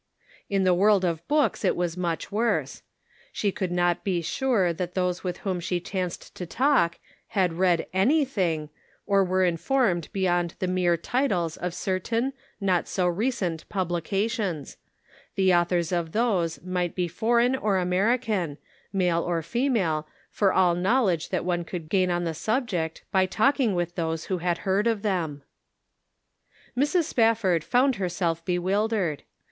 In the world of books it was much worse ; she could not be sure that those with whom she chanced to talk had read anything, or were informed beyond the mere titles of certain, not so recent, publications; the authors of those might be foreign or American, male or female, for all knowledge that one could gain on the subject by talking with those who had heard of them. Mrs. Spafford found herself bewildered.